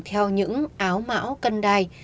theo những áo mão cân đai